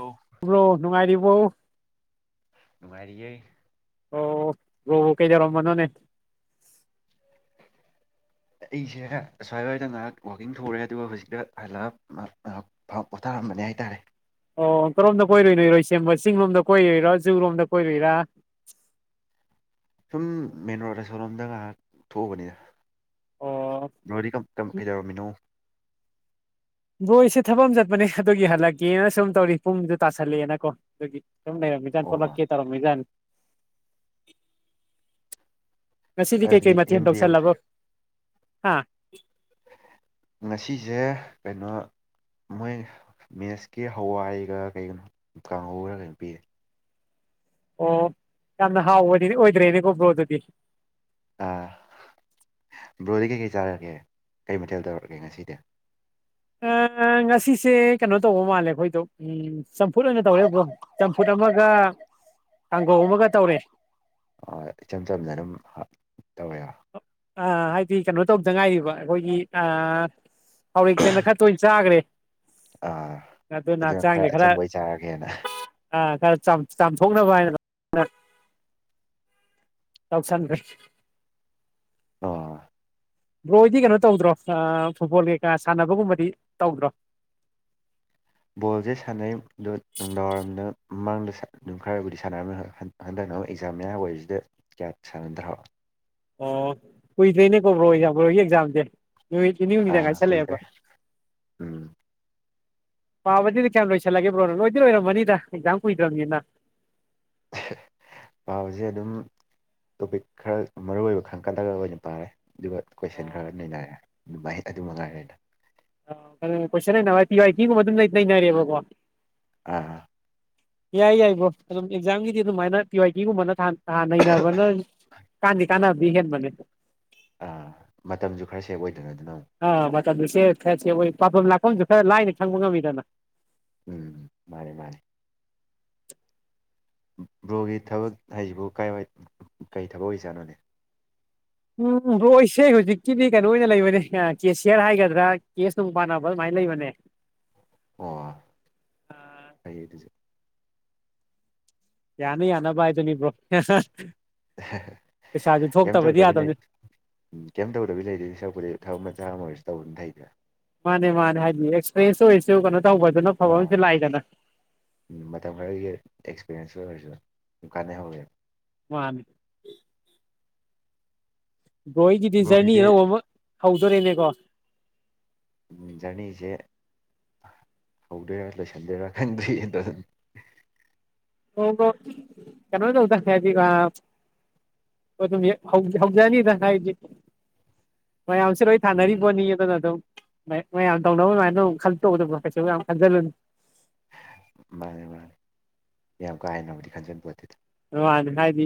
ꯑꯣ ꯕ꯭ꯔꯣ ꯅꯨꯡꯉꯥꯏꯔꯤꯕꯣ ꯅꯨꯉꯥꯔꯤꯌꯩ ꯑꯣ ꯔꯣ ꯀꯩꯗꯧ ꯔꯝꯕꯅꯣꯅꯦ [unintelligible] ꯑꯩꯁꯦ ꯑꯁ꯭ꯋꯥꯏꯋꯥꯏꯗ ꯉꯥꯏꯍꯥꯛ ꯋꯥꯛꯀꯤꯡ ꯊꯔꯦ ꯑꯗꯨꯒ ꯍꯧꯖꯤꯛꯇ ꯍꯥꯟꯂ ꯉꯥꯏꯍꯥꯛ ꯄꯣꯊꯥꯔꯝꯦ ꯝꯕꯅꯦ ꯍꯥꯏꯇꯥꯔꯦ ꯑꯣ ꯀꯔꯣꯝꯗ ꯀꯣꯏꯔꯨꯏ ꯏꯔꯣꯏꯁꯦꯝꯕ ꯆꯤꯡ ꯂꯣꯝꯗ ꯀꯣꯏꯔꯨꯏꯔꯥ ꯖꯨꯨꯔꯣꯝꯗ ꯀꯣꯏꯔꯨꯏꯔꯥ ꯁꯨꯝ ꯃꯦꯟ ꯔꯣꯗ ꯑꯁꯣꯟꯂꯣꯝꯗ ꯉꯥꯏꯍꯥꯛ ꯊꯣꯛꯎꯕꯅꯤꯗ ꯑꯣ ꯕ꯭ꯔꯣꯗꯤ ꯀꯩꯗꯧꯔꯝꯃꯤꯅꯣ ꯕ꯭ꯔꯣ ꯑꯩꯁꯦ ꯊꯕꯛ ꯑꯃ ꯆꯠꯄꯅꯦ ꯑꯗꯨꯒꯤ ꯍꯜꯂꯛꯀꯦꯅ ꯁꯨꯝ ꯇꯧꯔꯤ ꯄꯨꯡꯗꯨ ꯇꯥꯁꯜꯂꯛꯑꯦꯅꯀꯣ ꯑꯗꯨꯒꯤ ꯁꯨꯝ ꯂꯩꯔꯝꯃꯤ ꯖꯥꯠꯅꯤ ꯑꯣ ꯊꯣꯛꯂꯛ ꯀꯦ ꯇꯧꯔꯝꯃꯤ ꯖꯥꯠꯅꯤ ꯉꯁꯤꯗꯤ ꯀꯩ ꯑꯗꯨꯗꯤ ꯀꯩ ꯃꯊꯦꯟ ꯌꯨꯝꯗꯤ ꯇꯧꯁꯜꯂꯕ ꯌꯧꯗ꯭ꯔꯤꯕ ꯍꯥ ꯉꯁꯤꯁꯦ ꯀꯩꯅꯣ ꯃꯣꯏ ꯃꯦꯁꯀꯤ ꯍꯋꯥꯏꯒ ꯀꯩꯒꯤꯅꯣ ꯀꯥꯡꯍꯧꯒꯔ ꯀꯩꯅꯣ ꯄꯤꯔꯦ ꯑꯣ ꯌꯥꯝꯅ ꯍꯥꯎꯕꯗꯨꯗꯤ ꯑꯣꯏꯗ꯭ꯔꯦꯅꯦꯀꯣ ꯕ꯭ꯔꯣ ꯑꯗꯨꯗꯤ ꯕ꯭ꯔꯣꯗꯤ ꯀꯩꯀꯩ ꯆꯥꯔꯒꯦ ꯀꯩ ꯃꯊꯦꯜ ꯇꯧꯔꯛꯒꯦ ꯉꯁꯤꯗꯤ ꯑꯝ ꯉꯁꯤꯁꯦ ꯀꯩꯅꯣ ꯇꯧꯕ ꯃꯥꯜꯂꯦ ꯑꯩꯈꯣꯏꯗꯣ ꯎꯝ ꯆꯝꯐꯨꯠ ꯑꯣꯏꯅ ꯇꯧꯋꯦꯕꯣ ꯆꯝꯐꯨꯠ ꯑꯃꯒ ꯀꯥꯡꯍꯧ ꯑꯃꯒ ꯇꯧꯔꯦ ꯏꯆꯝ ꯆꯝꯅ ꯑꯗꯨꯝ ꯍꯥꯥ ꯇꯧꯋꯦ ꯑ ꯍꯥꯏꯗꯤ ꯀꯩꯅꯣ ꯇꯧꯗ ꯉꯥꯏꯔꯤꯕ ꯑꯩꯈꯣꯏꯒꯤ ꯊꯥꯎꯔꯦꯛꯁꯦ ꯍꯟꯗꯛ ꯈꯔ ꯇꯣꯏꯅ ꯆꯥꯈ꯭ꯔꯦ ꯑꯥ ꯑꯗꯨꯅ ꯈꯔ ꯑꯆꯝꯕ ꯑꯣꯏ ꯆꯥꯔꯒꯦꯅ ꯑꯥ ꯈꯔ ꯆꯥꯝꯊꯣꯛꯅꯕ ꯍꯥꯏꯅ ꯇꯧꯁꯥꯟꯒ꯭ꯔꯦ ꯑ ꯕ꯭ꯔꯣ ꯍꯣꯏꯗꯤ ꯀꯩꯅꯣ ꯇꯧꯗ꯭ꯔꯣ ꯐꯨꯠꯕꯣꯜ ꯀꯩꯀꯥ ꯁꯥꯟꯅꯕꯒꯨꯝꯕꯗꯤ ꯇꯧꯗ꯭ꯔꯣ ꯕꯣꯜꯁꯦ ꯁꯥꯟꯅꯩꯗꯨ ꯅꯨꯡꯗꯥꯡꯋꯥꯏꯔꯝꯗ ꯃꯃꯥꯡꯗ ꯑꯗꯨꯝ ꯈꯔꯕꯨꯗꯤ ꯁꯥꯟꯅꯔꯝꯅꯤ ꯍꯟꯗꯛꯅ ꯑꯃꯨꯛ ꯑꯦꯛꯖꯥꯝ ꯃꯌꯥꯝ ꯑꯣꯏꯕꯁꯤꯗ ꯀꯌꯥ ꯁꯥꯟꯅꯗꯔꯕ ꯑꯣ ꯀꯨꯏꯗꯅꯦ ꯀꯣ ꯕ꯭ꯔꯣ ꯕ꯭ꯔꯣ ꯍꯣꯏ ꯑꯦꯛꯖꯝꯗꯦ ꯅꯨꯃꯤꯠ ꯅꯤꯅꯤ ꯍꯨꯝꯅꯤꯗ ꯑꯥ ꯉꯥꯏꯁꯟ ꯀꯨꯏꯗ꯭ꯔꯦ ꯂꯛꯑꯦꯕ ꯎꯝ ꯄꯥꯕꯗꯤ ꯀꯌꯥꯝ ꯂꯣꯏꯁꯤꯜꯂꯒꯦ ꯕ꯭ꯔꯣ ꯂꯣꯏꯗꯤ ꯂꯣꯏꯔꯝꯃꯅꯤꯗ ꯑꯦꯛꯖꯥꯝ ꯀꯨꯏꯗ꯭ꯔꯕꯅꯤꯅ ꯄꯥꯕꯁꯦ ꯑꯗꯨꯝ ꯇꯣꯄꯤꯛ ꯈꯔ ꯃꯔꯨ ꯑꯣꯏꯕ ꯈꯪꯀꯥꯟꯂꯒ ꯑꯣꯏꯅ ꯄꯥꯔꯦ ꯑꯗꯨꯒ ꯀꯣꯏꯁꯟ ꯈꯔ ꯅꯩꯅꯔꯦ ꯑꯗꯨꯃꯥꯏꯅ ꯇꯦ ꯑꯗꯨ ꯃꯉꯥꯏꯔꯦꯗ ꯑꯩꯅ ꯀꯣꯏꯁꯟ ꯑꯦꯅꯥꯂꯥꯏꯁ ꯄꯤ ꯋꯥꯏ ꯀ꯭ꯌꯨ ꯒꯨꯝꯕ ꯑꯗꯨꯝ ꯅꯩꯅꯔꯦꯕꯀꯣ ꯑꯝ ꯌꯥꯏ ꯌꯥꯏ ꯕ꯭ꯔꯣ ꯑꯗꯨꯝ ꯑꯦꯛꯖꯥꯝꯒꯤꯗꯤ ꯑꯗꯨꯃꯥꯏꯅ ꯄꯤ ꯋꯥꯏ ꯀ꯭ꯌꯨ ꯒꯨꯝꯕꯅ ꯊꯥ ꯑꯥ ꯅꯩꯅꯕ ꯀꯥꯟꯗꯤ ꯀꯥꯟꯅꯕꯗꯤ ꯍꯦꯟꯕꯅꯦ ꯑꯥ ꯃꯇꯝꯁꯨ ꯈꯔ ꯁꯦꯞ ꯑꯣꯏꯗꯅ ꯑꯗꯨꯅ ꯑꯃꯨꯛ ꯑ ꯃꯇꯝꯖꯨ ꯁꯦꯐ ꯈꯔ ꯁꯦꯐ ꯑꯣꯏ ꯄꯥꯕꯝ ꯃꯐꯝꯁꯨ ꯈꯔ ꯂꯥꯏꯅ ꯈꯪꯕ ꯉꯝꯃꯤꯗꯅ ꯎꯝ ꯃꯥꯟꯅꯦ ꯃꯥꯟꯅꯦ ꯕ꯭ꯔꯣꯒꯤ ꯊꯕꯛ ꯍꯥꯏꯁꯤꯕꯨ ꯀꯥꯏ ꯋꯥꯏ ꯀꯩ ꯊꯕꯛ ꯑꯣꯏꯖꯥꯠꯅꯣꯅꯦ ꯎꯝ ꯕ꯭ꯔꯣ ꯑꯩꯁꯦ ꯍꯧꯖꯤꯛꯀꯤꯗꯤ ꯀꯩꯅꯣ ꯑꯣꯏꯅ ꯂꯩꯕꯅꯦ ꯀꯦꯁꯤꯌꯥꯔ ꯍꯥꯏꯒꯗ꯭ꯔꯥ ꯀꯦꯁ ꯅꯨꯡ ꯄꯥꯟꯅꯕ ꯑꯗꯨꯃꯥꯏꯅ ꯂꯩꯕꯅꯦ ꯑꯣ ꯐꯩꯌꯦ ꯑꯗꯨꯁꯨ ꯌꯥꯅ ꯌꯥꯅꯕ ꯍꯥꯏꯗꯨꯅꯤ ꯕ꯭ꯔꯣ [unintelligible] ꯄꯩꯁꯥꯁꯨ ꯀꯩꯝ ꯊꯣꯛꯇꯕꯗꯤ ꯇꯧꯗꯕꯤ ꯂꯩ ꯌꯥꯗꯕꯅꯤ ꯎ ꯀꯩꯝ ꯇꯧꯗꯕꯤ ꯂꯩꯗꯨꯏ ꯁꯔꯨꯛꯄꯨꯗꯤ ꯊꯕꯛ ꯃꯆꯥꯡ ꯑꯃ ꯑꯣꯏꯔꯁꯨ ꯇꯧꯕꯗꯨꯅ ꯐꯩ ꯃꯥꯟꯅꯦ ꯃꯥꯟꯅꯦ ꯍꯥꯏꯗꯤ ꯑꯦꯛꯁꯄ꯭ꯔꯦꯟꯁꯇ ꯑꯣꯏꯁꯨ ꯀꯩ ꯇꯧꯕꯗꯨꯅ ꯑꯥ ꯐꯕꯃꯁꯨ ꯂꯥꯛꯏꯗꯅ ꯑꯦꯛꯁꯄꯤꯔꯦꯟꯁ ꯑꯣꯏꯔꯁꯨ ꯗꯨꯝ ꯀꯥꯟꯅ ꯍꯧꯋꯦ ꯃꯥꯟꯅꯤ ꯕ꯭ꯔꯣ ꯍꯣꯏꯒꯤꯗꯤ ꯖꯔꯅꯤ ꯑꯅꯧꯕ ꯑꯃ ꯍꯧꯗꯣꯔꯦꯅꯦꯀꯣ ꯖꯔꯅꯤꯁꯦ ꯍꯧꯗꯣꯏꯔꯥ ꯂꯣꯏꯁꯟꯗꯣꯏꯔꯥ ꯈꯪꯗꯦ ꯑꯗꯨ ꯑꯣ ꯕ꯭ꯔꯣ ꯀꯩꯅꯣ ꯇꯧꯗꯥ ꯍꯥꯏꯗꯤ ꯑꯥ ꯍꯧ ꯍꯧꯖꯅꯤꯗ ꯍꯥꯏꯦ ꯃꯌꯥꯝꯁꯦ ꯂꯣꯏ ꯎꯝ ꯊꯥꯅꯔꯤꯕꯕꯣꯅꯤ ꯑꯗꯨꯅ ꯑꯗꯨꯝ ꯃꯌꯥꯝ ꯇꯧꯅꯕ ꯑꯗꯨꯃꯥꯏ ꯇꯧ ꯈꯟ ꯇꯣꯛꯒꯗꯕ ꯀꯩꯁꯨ ꯌꯥꯝ ꯈꯟꯖꯤꯜꯂꯨꯅꯤ ꯃꯥꯅꯦ ꯃꯥꯅꯦ ꯌꯥꯝ ꯀꯥ ꯍꯦꯟꯅꯕꯨꯗꯤ ꯈꯟꯖꯤꯟ ꯄꯣꯠꯇꯦꯗ ꯑ ꯍꯥꯏꯗꯤ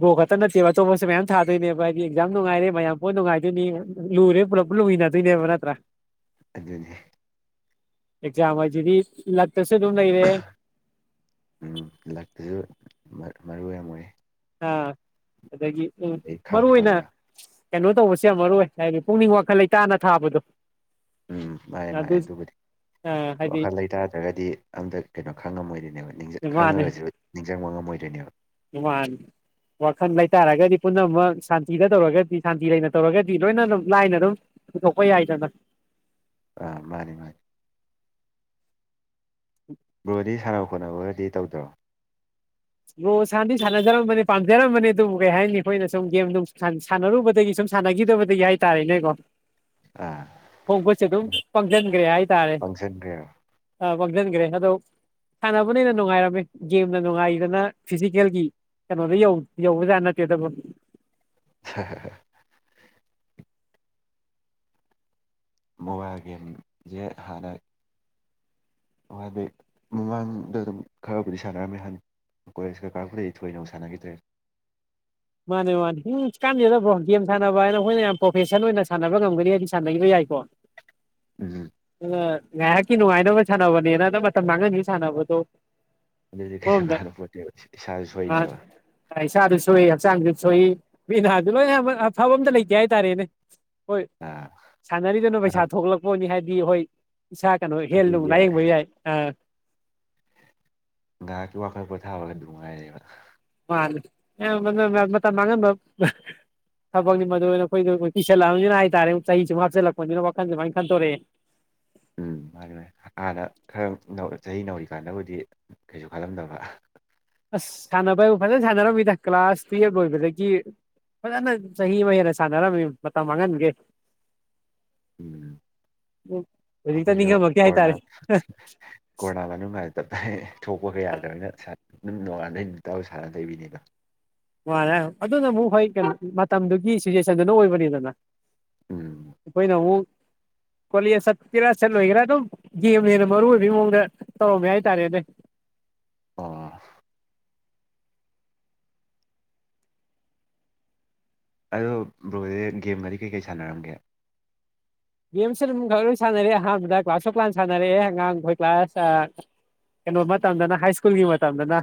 ꯕꯣ ꯈꯛꯇ ꯅꯠꯇꯦꯕ ꯑꯇꯣꯞꯄꯁꯨ ꯃꯌꯥꯝ ꯊꯥꯗꯣꯏꯅꯦꯕ ꯍꯥꯏꯗꯤ ꯑꯦꯛꯖꯥꯝ ꯅꯨꯡꯉꯥꯏꯔꯦ ꯃꯌꯥꯝ ꯄꯣꯠ ꯅꯨꯡꯉꯥꯏꯗꯣꯏꯅꯤ ꯂꯨꯔꯦ ꯭ꯂꯨꯅ ꯑꯗꯨ ꯏꯅꯦꯕ ꯅꯠꯇ ꯑꯗꯨ ꯑꯦꯖꯥꯝ ꯍꯥꯏꯖꯤꯗꯤ ꯂꯥꯛ ꯇꯁ ꯑꯗꯨ ꯂꯩꯔꯦ ꯎꯝ ꯂꯛꯇꯨꯁꯨ ꯃꯔꯨ ꯑꯣꯏ ꯃꯣꯏꯦ ꯑꯥ ꯑꯗꯒꯤ ꯎꯝ ꯃꯔꯨ ꯑꯣꯏꯅ ꯈꯪꯕꯒ ꯀꯩꯅꯣ ꯇꯧꯕꯁꯦ ꯌꯥꯝ ꯃꯔꯨ ꯑꯣꯏ ꯍꯥꯏꯕꯗꯤ ꯄꯨꯛꯅꯤꯡ ꯋꯥꯈꯜ ꯂꯩꯇꯥꯅ ꯊꯥꯕꯗꯣ ꯎꯝ ꯃꯥꯅꯦ ꯃꯥꯅꯦ ꯑꯗꯨ ꯑꯗꯨꯕꯨꯗꯤ ꯑ ꯍꯥꯏꯗꯤ ꯋꯥꯈꯜ ꯂꯩꯇꯥꯥꯗ꯭ꯔꯒꯗꯤ ꯑꯝꯇ ꯀꯩꯅꯣ ꯈꯪꯉꯝꯃꯣꯏꯗꯣꯏꯅꯦꯕ ꯃꯥꯅꯦ ꯈꯪꯉꯒꯁꯨ ꯅꯤꯡꯁꯤꯡꯕ ꯉꯝꯃ ꯃꯣꯏꯔꯅꯤ [unintelligible] ꯋꯥꯈꯜ ꯂꯩꯇꯥꯔꯒꯗꯤ ꯄꯨꯝꯅꯃꯛ ꯁꯥꯟꯇꯤꯗ ꯇꯧꯔꯒꯗꯤ ꯁꯥꯟꯇꯤ ꯂꯩꯅ ꯇꯧꯔꯒꯗꯤ ꯂꯣꯏꯅ ꯑꯗꯨꯝ ꯂꯥꯏꯅ ꯑꯗꯨꯝ ꯀꯣꯏ ꯑꯗꯗ ꯑꯥ ꯃꯥꯅꯤ ꯃꯥꯅꯤ ꯕ꯭ꯔꯣꯗꯤ ꯁꯥꯟꯅꯕ ꯈꯣꯠꯅꯕꯒꯗꯤ ꯇꯧꯗ꯭ꯔꯣ ꯂꯣ ꯁꯥꯟꯗꯤ ꯁꯥꯟꯅꯖꯔꯝꯕꯅꯤ ꯄꯥꯝꯖꯔꯝꯕꯅꯤ ꯑꯗꯨꯕꯨ ꯀꯩ ꯍꯥꯏꯅꯤ ꯑꯩꯈꯣꯏꯅ ꯁꯨꯝ ꯒꯦꯝ ꯁꯥꯟꯅꯔꯨꯕꯗꯒꯤ ꯁꯨꯝ ꯁꯥꯟꯅꯈꯤꯗꯕꯗꯒꯤ ꯍꯥꯏꯇꯥꯔꯦꯅꯦꯀꯣ ꯑꯥ ꯍꯒꯁꯦ ꯑꯗꯨ ꯄꯪꯖꯟꯒ꯭ꯔꯦ ꯍꯥꯏ ꯇꯥꯔꯦ ꯄꯪꯁꯟꯈ꯭ꯔꯦꯕ ꯑ ꯃꯥꯡꯁꯤꯟꯈ꯭ꯔꯦ ꯑꯗꯣ ꯁꯥꯟꯅꯕꯅꯩꯅ ꯅꯨꯡꯉꯥꯏꯔꯝꯃꯦ ꯒꯦꯝꯅ ꯅꯨꯡꯉꯥꯏ ꯐꯖꯅ ꯐꯤꯖꯤꯀꯦꯜꯒꯤ ꯀꯩꯅꯣꯗ ꯌꯧꯕꯖꯥꯠ ꯅꯠꯇꯦꯗꯕ ꯍ [unintelligible] ꯃꯣꯕꯥꯏꯜ ꯒꯦꯝꯁꯦ ꯍꯅ ꯑꯣ ꯑꯗꯨꯗꯩ ꯃꯃꯥꯡꯗ ꯑꯗꯨꯝ ꯈꯔꯕꯨꯗꯤ ꯁꯥꯟꯅꯑꯝꯃꯦ ꯍꯥꯏꯅꯤ ꯀꯣꯂꯦꯖꯀꯀꯥꯔꯄꯗꯩ ꯊꯣꯏꯅꯨ ꯁꯥꯟꯅꯈꯤꯗ꯭ꯔꯦ ꯃꯥꯅꯦ ꯃꯥꯅꯦ ꯀꯥꯟꯅꯖꯗꯕ꯭ꯔꯣ ꯒꯦꯝ ꯁꯥꯟꯅꯕ ꯍꯥꯏꯅ ꯑꯩꯈꯣꯏꯅ ꯌꯥꯝ ꯄ꯭ꯔꯣꯐꯦꯁꯟ ꯑꯣꯏꯅ ꯁꯥꯟꯅꯕ ꯉꯝꯒꯅꯤ ꯍꯥꯏꯗꯤ ꯁꯥꯟꯅꯈꯤꯕ ꯌꯥꯏ ꯀꯣ ꯎꯝ ꯑ ꯉꯥꯏꯍꯥꯛꯀꯤ ꯅꯨꯡꯉꯥꯏꯅꯕ ꯁꯥꯟꯅꯕꯅꯦꯅꯗ ꯃꯇꯝ ꯃꯥꯡꯍꯟꯁꯨ ꯁꯥꯟꯅꯕꯗꯣ ꯑꯗꯨꯗꯤ ꯀꯩꯁꯨ ꯑꯃꯔꯣꯝꯗ ꯀꯥꯟꯗ ꯄꯣꯠꯇꯦꯕ ꯏꯁꯥꯁꯨ ꯁꯣꯏꯅꯦꯕ ꯏꯁꯥꯁꯨ ꯁꯣꯛꯏ ꯍꯛꯆꯥꯡꯁꯨ ꯁꯣꯛꯏ ꯃꯤ ꯅꯍꯗꯨ ꯂꯣꯏ ꯑꯐꯕ ꯑꯝꯇ ꯂꯩꯇꯦ ꯍꯥꯏꯇꯥꯔꯦꯅꯦ ꯍꯣꯏ ꯑꯥ ꯁꯥꯟꯅꯔꯤꯗꯅ ꯄꯩꯁꯥ ꯉꯥꯏꯍꯥꯛ ꯊꯣꯛꯂꯛꯄꯅꯤ ꯍꯥꯏꯕꯗꯤ ꯍꯣꯏ ꯏꯁꯥ ꯀꯩꯅꯣ ꯍꯦꯜ ꯑꯗꯨꯝ ꯑꯗꯨꯏꯗꯤ ꯂꯥꯏꯌꯦꯡꯕ ꯌꯥꯏ ꯑ ꯉꯥꯛ ꯀ ꯋꯥꯈꯔ ꯄꯊꯥꯕꯦ ꯉꯥꯏ ꯂꯩꯕ ꯃꯥ ꯃ ꯃꯇꯝ ꯊꯕꯛꯅꯤ ꯃꯗꯨ ꯑꯣꯏꯅꯈꯣꯏꯣ ꯄꯤꯁꯜꯂꯛꯑꯅꯤꯅ ꯍꯥꯏꯇꯥꯔꯦ ꯆꯍꯤꯁꯤꯃꯨꯛ ꯍꯥꯆꯤꯜꯂꯛꯄꯅꯤꯅ ꯋꯥꯈꯟ ꯁꯨꯃꯥꯏꯅꯟꯗꯣꯔꯛꯑꯦ ꯎꯝ ꯑꯗꯨꯃꯥꯏ ꯍꯥꯟꯅ ꯈꯔ ꯆꯍꯤ ꯅꯧꯔꯤꯀꯥꯟꯗꯕꯨꯗꯤ ꯀꯩꯁꯨ ꯈꯜꯂꯝꯗꯕ ꯑꯁ ꯁꯥꯟꯅꯕ ꯍꯥꯏꯕꯨ ꯐꯖꯅ ꯁꯥꯟꯅꯔꯝꯃꯤꯗ ꯀ꯭ꯂꯥꯁ ꯇꯨꯌꯦꯞ ꯂꯣꯏꯕꯗꯒꯤ ꯐꯖꯅ ꯆꯍꯤ ꯑꯃ ꯍꯦꯟꯅ ꯁꯥꯟꯅꯔꯝꯃꯤ ꯃꯇꯝ ꯃꯥꯡꯍꯟꯒꯦ ꯎꯝ ꯍꯧꯖꯤꯛꯇ ꯑꯩꯈꯣꯏꯁꯨ ꯅꯤꯡꯉꯝꯃꯛꯇꯦ ꯀꯣꯔꯅꯥ ꯍꯥꯏꯇꯥꯔꯦ ꯀꯣꯔꯣꯅꯥ ꯃꯅꯨꯡꯗ ꯇꯞ ꯊꯣꯛꯄ ꯀ ꯌꯥꯗ꯭ꯔꯅꯤꯅ ꯑꯗꯨꯝ ꯅꯣꯡꯉꯥꯟꯜꯗꯩ ꯇꯥꯕ ꯁꯥꯟꯅ ꯂꯩꯕꯤꯅꯦꯕ ꯃꯥꯔꯦ ꯑꯗꯨꯅ ꯑꯃꯨꯛ ꯍꯣꯏ ꯀꯩꯅꯣ ꯃꯇꯝꯗꯨꯒꯤ ꯁꯤꯆꯨꯋꯦꯁꯟꯗꯨꯅ ꯑꯣꯏꯕꯅꯤꯗꯅ ꯎꯝ ꯄꯣꯏꯅ [inaudible] ꯀꯣꯂꯤ ꯆꯠꯀꯦꯔꯥ ꯁꯠꯂꯣꯏꯒꯦꯔꯥ ꯑꯗꯨꯝ ꯒꯦꯝꯅꯦꯅ ꯃꯔꯨ ꯑꯣꯏꯕ ꯃꯑꯣꯡꯗ ꯇꯧꯔꯝꯃꯦ ꯍꯥꯏꯇꯥꯔꯦꯅꯦ ꯑꯣ ꯑꯗꯣ ꯕ꯭ꯔꯣꯗꯤꯦ ꯒꯦꯝꯒꯗꯤ ꯀꯩꯀꯩ ꯁꯥꯟꯅꯔꯝꯒꯦ ꯒꯦꯝꯁ ꯑꯗꯨꯝ ꯈ ꯂꯣꯏ ꯁꯥꯟꯅꯔꯦ ꯑꯍꯥꯟꯕꯗ ꯀ꯭ꯂꯥꯁ ꯁꯨ ꯂꯥꯟ ꯁꯥꯟꯅꯔꯑꯦ ꯑꯉꯥꯡ ꯑꯩꯈꯣꯏ ꯀ꯭ꯂꯥꯁ ꯀꯩꯅꯣ ꯃꯇꯝꯗꯅ ꯍꯥꯏ ꯁ꯭ꯀꯨꯜꯒꯤ ꯃꯇꯝꯗꯅ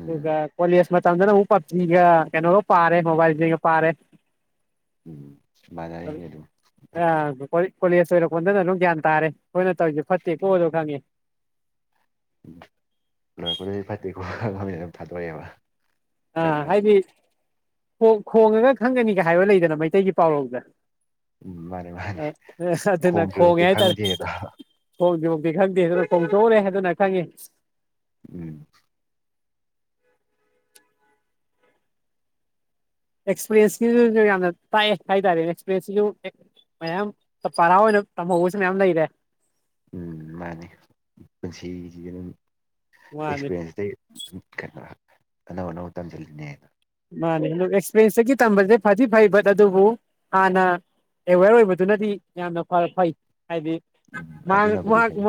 ꯎꯝ ꯑꯗꯨꯒ ꯀꯣꯂꯦꯖ ꯃꯇꯝꯗꯅ ꯎ ꯄꯞꯖꯤꯒ ꯀꯩꯅꯣꯒ ꯄꯥꯔꯦ ꯃꯣꯕꯥꯏꯜꯁꯤꯒ ꯄꯥꯔꯦ ꯎꯝ ꯃꯅꯔ ꯍꯥꯏ ꯑꯗꯨꯨ ꯌꯥ ꯀ ꯀꯣꯂꯦꯖ ꯑꯣꯏꯔꯀꯣꯗꯅ ꯑꯗꯨꯝ ꯒ꯭ꯌꯥꯟ ꯇꯥꯔꯦ ꯑꯩꯈꯣꯏꯅ ꯇꯧꯔꯤꯁꯦ ꯐꯠꯇꯦ ꯀꯣ ꯑꯗꯨ ꯈꯪꯉꯦ ꯂꯣꯏꯔꯛꯄꯗꯗꯤ ꯐꯠꯇꯦꯀꯣ ꯈꯃꯤꯅ ꯑꯗꯨꯝ ꯊꯥꯗꯣꯔꯛꯑꯦꯕ ꯑꯥ ꯍꯥꯏꯗꯤ ꯈꯣꯡꯉꯒ ꯈꯪꯒꯅꯤꯒ ꯍꯥꯏꯕ ꯂꯩꯗꯅ ꯃꯩꯇꯩꯒꯤ ꯄꯥꯎꯔꯣꯜꯗ ꯎꯝ ꯃꯥꯅꯦ ꯃꯥꯅꯦ ꯑꯗꯨꯅ ꯈꯣꯡꯉꯦ ꯈꯣꯡꯗ꯭ꯔꯤꯕꯛꯇꯤ ꯍꯥꯏꯇꯥꯔꯦ ꯈꯪꯗꯦꯗꯣ ꯍꯣꯡꯗꯤ ꯍꯣꯡ ꯗꯤ ꯈꯪꯗꯦ ꯑꯗꯨꯅ ꯈꯣꯡꯊꯣꯛꯂꯦ ꯑꯗꯨꯅ ꯈꯪꯉꯤ ꯎꯝ ꯎ ꯑꯦꯛꯁꯄꯤꯔꯤꯌꯦꯟꯁꯁꯨꯁꯨ ꯌꯥꯝꯅ ꯍꯥꯏ ꯇꯔꯦ ꯑꯦꯛꯁꯄꯤꯔꯤꯟꯁꯁꯤꯁꯨ ꯃꯌꯥꯝ ꯐꯔꯑꯣ ꯇꯃ ꯍꯧꯁꯌꯥꯝ ꯂꯩꯗꯦ ꯎꯝ ꯃꯥꯅꯤ ꯄꯨꯟꯁꯤꯁꯤꯗ ꯑꯗꯨꯝ ꯃꯥꯅꯤ ꯑꯦꯛꯁꯄꯤꯔꯤꯌꯦꯦꯟꯁꯇ ꯑꯗꯨ ꯀꯩꯅꯣ ꯑꯅꯧ ꯑꯅꯧꯕ ꯇꯝꯁꯤꯜꯂꯤꯅꯦꯅ ꯃꯥꯅꯦ ꯑꯦꯛꯁꯄꯤꯔꯦꯟꯁꯇꯒꯤ ꯇꯝꯕꯁꯦ ꯐꯗꯤ ꯐꯩ ꯕꯠ ꯑꯗꯨꯕꯨ ꯍꯥꯟꯅ ꯑꯦꯋꯦꯔ ꯑꯣꯏꯕꯗꯨꯅꯗꯤ ꯌꯥꯝꯅ ꯐꯩ ꯍꯥꯏꯗꯤ ꯎꯝ ꯃꯍꯥꯛ ꯑꯗꯨꯅꯕꯨꯗꯤ ꯃꯍꯥꯛ ꯐꯩ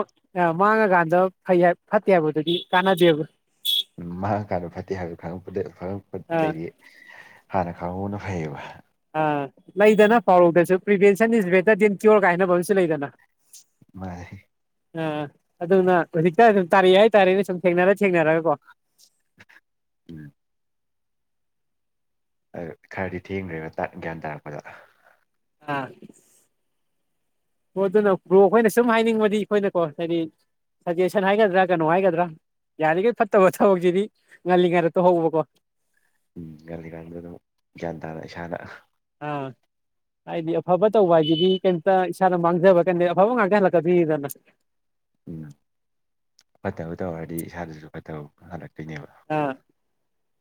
ꯃꯥꯡꯉꯀꯥꯟꯗ ꯐꯩ ꯐꯠꯇꯦ ꯍꯥꯏꯕꯗꯨꯗꯤ ꯀꯥꯟꯅꯗꯦꯕ ꯎꯝ ꯃꯥꯡꯉ ꯀꯥꯟꯗ ꯐꯠꯇꯦ ꯍꯥꯏꯕꯗꯨꯉꯛꯄꯗ ꯑꯥ ꯈꯪꯉꯛꯄꯗꯩꯗꯤ ꯍꯥꯟꯅ ꯈꯪꯍꯧꯅ ꯐꯩꯌꯦꯕ ꯑꯥ ꯂꯩꯗꯅ ꯄꯥꯎꯔꯧꯗꯁꯨ prevention is better than cure ꯀꯥꯏꯅꯕ ꯑꯃꯁꯨ ꯂꯩꯗꯅ ꯏ ꯑꯥ ꯑꯗꯨꯅ ꯍꯧꯖꯤꯛꯇ ꯑꯗꯨꯝ ꯇꯥꯔꯛꯑꯦ ꯍꯥꯏꯇꯥꯔꯦꯅꯦ ꯁꯨꯝ ꯊꯦꯡꯅꯔ ꯊꯦꯡꯅꯔꯒꯀꯣ ꯎꯝ ꯑꯗꯨ ꯈꯔꯗꯤ ꯊꯦꯡꯈ꯭ꯔꯦꯅ ꯒ꯭ꯌꯥꯟ ꯇꯥꯔꯛꯄꯗ ꯑꯥ ꯑꯣ ꯑꯗꯨꯅ ꯕ꯭ꯔꯣ ꯑꯩꯈꯣꯏꯅ ꯁꯨꯝ ꯍꯥꯏꯅꯤꯡꯕꯗꯤ ꯑꯩꯈꯣꯏꯅꯀꯣ ꯍꯥꯏꯗꯤ ꯁꯖꯦꯁꯟ ꯍꯥꯏꯒꯗ꯭ꯔꯥ ꯀꯩꯅꯣ ꯍꯥꯏꯒꯗ꯭ꯔꯥ ꯌꯥꯔꯤꯈꯩ ꯐꯠꯇꯕ ꯊꯕꯛꯁꯤꯗꯤ ꯉꯜꯂꯤꯉꯩꯗ ꯇꯣ ꯍꯧꯕꯀꯣ ꯎꯝ ꯉꯔꯁꯤꯀꯥꯟꯗ ꯑꯗꯨꯝ ꯒ꯭ꯌꯥꯟ ꯇꯥꯅ ꯏꯁꯥꯅ ꯑꯥ ꯍꯥꯏꯗꯤ ꯑꯐꯕ ꯇꯧꯕ ꯍꯥꯏꯁꯤꯗꯤ ꯀꯩꯝꯇ ꯏꯁꯥꯅ ꯃꯥꯡꯖꯕ ꯀꯩꯗ ꯑꯐꯕ ꯉꯥꯛꯇ ꯍꯜꯂꯛꯀꯗꯣꯏꯔꯤꯗꯅ ꯎꯝ ꯐꯠꯇꯕ ꯇꯧꯔꯗꯤ ꯏꯁꯥꯗꯁꯨ ꯐꯠꯇꯕ ꯍꯜꯂꯛꯀꯦ ꯑꯥ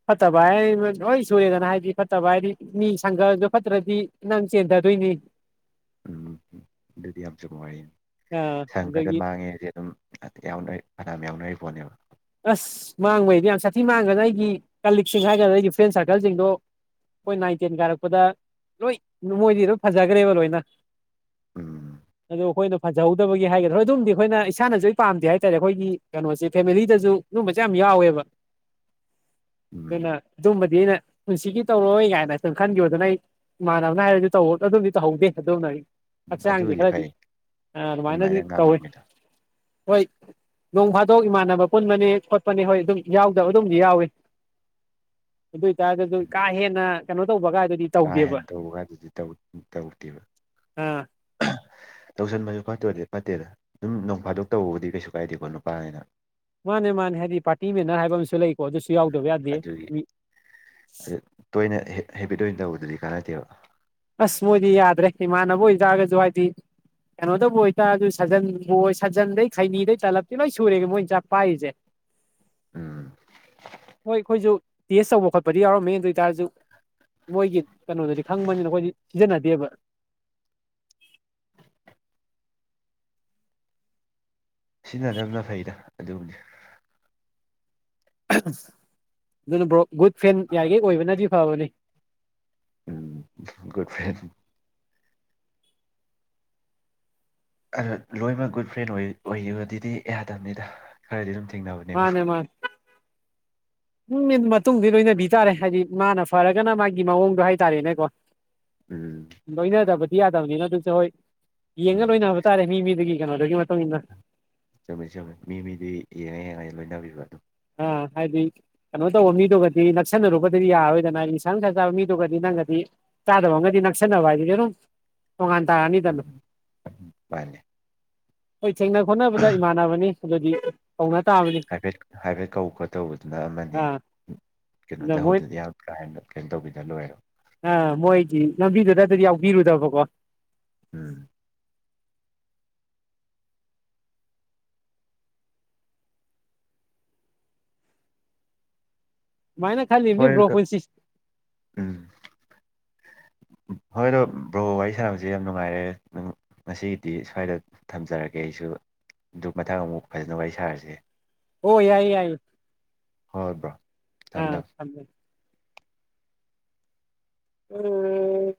ꯐꯠꯇꯕ ꯍꯥꯏ ꯍꯣꯏ ꯁꯨꯔꯦꯗꯅ ꯍꯥꯏꯗꯤ ꯐꯠꯇꯕ ꯍꯥꯏꯗꯤ ꯃꯤ ꯁꯪꯒꯔꯁꯨ ꯐꯠꯇ꯭ꯔꯗꯤ ꯅꯪ ꯆꯦꯟꯊꯗꯣꯏ ꯎꯝ ꯎꯝ ꯑꯗꯨꯗꯤ ꯌꯥꯝꯁꯨ ꯅꯨꯡꯉꯥꯏꯌꯦ ꯑꯥ ꯁꯪ ꯈꯔꯗ ꯑꯗꯒꯤ ꯃꯥꯡꯉꯦꯁꯦ ꯑꯗꯨꯝ ꯌꯥꯎꯅ ꯑꯗꯥꯝ ꯌꯥꯎꯅꯔꯤꯕ [inaudible] ꯑꯁ ꯃꯥꯡꯕꯩꯗꯤ ꯌꯥꯝ ꯁꯥꯊꯤ ꯃꯥꯡꯒꯅꯤ ꯑꯩꯒꯤ ꯀꯂꯤꯛꯁꯤꯡ ꯍꯥꯏꯒꯗ꯭ꯔꯥ ꯑꯩꯒꯤ ꯐ꯭ꯔꯦꯟ ꯁꯥꯔꯀꯜꯁꯤꯡꯗꯣ ꯑꯩꯈꯣꯏ ꯅꯥꯏꯟ ꯇꯦꯟ ꯀꯥꯔꯛꯄꯗ ꯂꯣꯏ ꯅꯃꯣꯏꯗꯤ ꯂꯣꯏ ꯐꯖꯈ꯭ꯔꯦꯕ ꯂꯣꯏꯅ ꯎꯝ ꯑꯗꯣ ꯑꯩꯈꯣꯏꯅ ꯐꯖꯍꯧꯗꯕꯒꯤ ꯍꯥꯏꯒꯗ꯭ꯔ ꯍꯣꯏ ꯑꯗꯨꯝꯗꯤ ꯑꯩꯈꯣꯏ ꯏꯁꯅꯁꯨ ꯑꯩ ꯄꯥꯝꯗꯦ ꯍꯥꯏꯇꯥꯔꯦ ꯑꯩꯈꯣꯏꯒꯤ ꯀꯩꯅꯣꯁꯦ ꯐꯦꯃꯤꯂꯤꯗ ꯑꯗꯨꯨꯝꯕꯁꯦ ꯌꯥꯝ ꯌꯥꯎꯋꯦꯕ ꯎꯝ ꯑꯗꯨꯅ ꯑꯗꯨꯝꯕꯗꯤ ꯑꯩꯅ ꯄꯨꯟꯁꯤꯒꯤ ꯇꯧꯔꯣꯏ ꯀꯥꯏꯅꯝ ꯈꯟꯈꯤꯕꯣ ꯑꯗꯨꯅ ꯑꯩ ꯏꯃꯥꯟꯅꯕꯅ ꯍꯥꯏꯔꯗꯤ ꯇꯧ ꯑꯗꯨꯝꯗꯤꯧꯍꯧꯗꯦ ꯑꯗꯨꯝꯅ ꯑꯩ ꯍꯛꯆꯥꯡꯗꯤ ꯑꯗꯨꯗꯤ ꯈꯔꯗꯤ ꯐꯩ ꯑꯗꯨꯃꯥꯏꯅ ꯑꯗꯨꯃꯥꯏꯅꯗꯤ ꯇꯧꯋꯤ ꯉꯥꯡꯉꯝꯃꯤꯗꯣ ꯍꯣꯏ ꯅꯣꯡ ꯐꯥꯗꯣꯛ ꯏꯃꯥꯟꯅꯕ ꯄꯨꯟꯕꯅꯤ ꯈꯣꯠꯄꯅꯤ ꯍꯣꯏ ꯑꯗꯨꯝ ꯌꯥꯎꯗꯕ ꯑꯗꯨꯝꯗꯤ ꯌꯥꯎꯏ ꯑꯗꯨ ꯑꯣꯏꯇꯥꯔꯒꯗꯤ ꯀꯥ ꯍꯦꯟꯅ ꯀꯩꯅꯣ ꯇꯧꯕꯒ ꯀꯥ ꯍꯦꯟꯅ ꯇꯧꯕ ꯀꯥꯟꯗꯨꯗꯤ ꯇꯧꯗꯦꯕ ꯑꯥ ꯇꯧꯁꯟꯕꯁꯨ ꯐꯠꯇꯣꯏꯗꯤ ꯐꯠꯇꯦꯗ ꯑꯗꯨꯝ ꯅꯣꯡ ꯐꯥꯗꯣꯛ ꯇꯧꯕꯕꯨꯗꯤ ꯀꯩꯁꯨ ꯀꯥꯏꯗꯦꯀꯣ ꯅꯨꯄꯥ ꯍꯥꯏꯅ ꯃꯥꯅꯦ ꯃꯥꯅꯦ ꯍꯥꯏꯗꯤ ꯄꯥꯔꯇꯤ ꯃꯦꯅꯔ ꯍꯥꯏꯕ ꯑꯃꯁꯨ ꯂꯩꯀꯣ ꯑꯗꯨꯁꯨ ꯌꯥꯎꯗꯕ ꯌꯥꯗꯦ ꯇꯣꯏꯅꯦ ꯍꯦꯕꯤꯠ ꯑꯣꯏꯅ ꯇꯧꯕꯗꯗꯤ ꯀꯥꯟꯅꯥꯏꯗꯦꯕ ꯑꯁ ꯃꯣꯏꯗꯤ ꯌꯥꯗ꯭ꯔꯦ ꯏꯃꯅꯕꯨ ꯏꯒꯁꯨꯋꯥꯗꯤ ꯀꯩꯅꯣꯗꯕꯨ ꯑꯣꯏꯇꯥꯔ ꯑꯗꯨ ꯁꯥꯖꯟꯕꯨ ꯑꯣꯏ ꯁꯥꯖꯟꯗꯩ ꯈꯩꯅꯤꯗꯩ ꯇꯥꯂꯞꯇꯤ ꯂꯣꯏ ꯁꯨꯔꯦꯒꯦ ꯃꯣꯏꯅ ꯆꯥꯛ ꯄꯥꯏꯔꯤꯁꯦ ꯎꯝ ꯍꯣꯏ ꯑꯩꯈꯣꯏꯁꯨ ꯇꯦꯁ ꯇꯧꯕ ꯈꯣꯠꯄꯗꯤ ꯌꯥꯎꯔꯝꯃꯦ ꯑꯗꯨ ꯑꯣꯏꯇꯥꯔꯁꯨ ꯃꯣꯏꯒꯤ ꯀꯩꯅꯣꯗꯗꯤ ꯈꯪꯕꯅꯤꯅ ꯑꯩꯈꯣꯏꯗꯤ ꯁꯤꯖꯤꯟꯅꯗꯦꯕ [inaudible] ꯁꯤꯖꯤꯟꯅꯗꯕꯅ ꯐꯩꯗ ꯑꯗꯨꯕꯨꯗꯤ ꯑꯗꯨꯅ ꯕ꯭ꯔꯣ ꯒꯨꯗ ꯐꯦꯟ ꯌꯥꯔꯤꯈꯩ ꯑꯣꯏꯕꯅꯗꯤ ꯐꯕꯅꯤ ꯎꯝ ꯒꯗ ꯐ꯭ꯔꯥꯏ ꯑꯗꯣ ꯂꯣꯏꯅꯃꯛ ꯒꯨꯗ ꯐ꯭ꯔꯦꯟ ꯑꯣꯏꯈꯤꯕꯗꯨꯗꯤ ꯑꯩꯍꯗꯕꯅꯤꯗ ꯈꯔꯗꯤ ꯑꯗꯨꯝ ꯇꯤꯡꯅꯕꯅꯤꯕꯣ ꯃꯥꯅꯦ ꯃꯥꯅꯦ ꯎꯝ ꯃꯇꯨꯡꯗꯤ ꯂꯣꯏꯅꯕꯤ ꯇꯥꯔꯦ ꯍꯥꯏꯗꯤ ꯃꯥꯅ ꯐꯔꯒꯅ ꯃꯥꯒꯤ ꯃꯑꯣꯡꯗꯣ ꯍꯥꯏꯇꯥꯔꯦꯅꯦꯀꯣ ꯎꯝ ꯂꯣꯏꯅꯗꯕꯗꯤ ꯌꯥꯗꯕꯅꯤꯅ ꯑꯗꯨꯁꯦ ꯍꯣꯏ ꯌꯦꯡꯉ ꯎꯝ ꯂꯣꯏꯅꯕ ꯇꯥꯔꯦ ꯃꯤ ꯃꯤꯗꯒꯤ ꯗꯗꯒꯤ ꯃ ꯆꯨꯝꯃꯦ ꯆꯨꯝꯃꯦ ꯃꯤ ꯃꯤꯗꯤ ꯌꯦꯡꯉ ꯌꯦꯡꯉ ꯂꯣꯏꯅꯕꯤꯕ ꯑꯗꯨꯝ ꯑ ꯍꯥꯏꯗꯤ ꯀꯩꯅꯣ ꯇꯧꯕ ꯃꯤꯗꯨꯒꯗꯤ ꯅꯛꯁꯟꯅꯔꯨꯕꯗꯗꯤ ꯌꯥꯔꯣꯏꯗꯅ ꯏꯁꯟꯁꯥꯡꯅ ꯁꯥꯥꯖꯕ ꯃꯤꯗꯨꯒꯗꯤ ꯅꯪꯒꯗꯤ ꯆꯥꯗꯕ ꯉꯗꯤ ꯅꯛꯁꯟ ꯅꯕ ꯍꯥꯏꯗꯒꯦꯅ ꯇꯣꯉꯥꯟ ꯇꯥꯔꯑꯅꯤꯗꯅꯣ ꯃꯥꯜꯂꯦ ꯑꯩ ꯊꯦꯡꯅ ꯈꫭꯠꯅꯕꯗ ꯏꯃꯥꯟꯅꯕꯅꯤ ꯑꯗꯨꯗꯤ ꯀꯧꯅ ꯇꯥꯕꯅꯤ ꯍꯥꯏꯐꯦꯠ ꯍꯥꯏꯐꯦꯠ ꯀꯧ ꯈꯣ ꯇꯧꯕꯗꯨꯅ ꯑꯃꯅꯤ ꯑꯥ ꯑꯗ ꯀꯩꯅꯣꯗ ꯃꯣꯏ ꯍꯧꯗꯗꯤ ꯌꯥꯝ ꯀꯥ ꯍꯟꯅ ꯀꯩꯅꯣ ꯇꯧꯕꯤꯗ ꯂꯣꯏꯔꯣ ꯑ ꯃꯣꯏꯒꯤ ꯂꯝꯕꯤꯗꯨꯗ ꯑꯗꯨꯗꯤ ꯌꯥꯎꯕꯤꯔꯨꯗꯕꯀꯣ ꯎꯝ ꯁꯨꯃꯥꯏꯅ ꯈꯜꯂꯤꯕꯅꯦ ꯍꯣꯏ ꯕ꯭ꯔꯣ ꯄꯨꯟꯁꯤ ꯍꯣꯏꯗꯣ ꯕ꯭ꯔꯣ ꯋꯥꯔꯤ ꯁꯥꯟꯅꯕꯁꯦ ꯌꯥꯝ ꯅꯨꯡꯉꯥꯏꯔꯦ ꯉꯁꯤꯒꯤꯗꯤ ꯁ꯭ꯋꯥꯏꯗ ꯊꯝꯖꯔꯒꯦ ꯑꯩꯁꯨ ꯑꯗꯨ ꯃꯊꯪ ꯑꯃꯨꯛ ꯐꯖꯅ ꯋꯥꯔꯤ ꯁꯥꯔꯁꯦ ꯑꯣ ꯌꯥꯏ ꯌꯥꯏ ꯍ ꯕꯥ ꯑꯥꯃꯦ ꯑꯣꯝ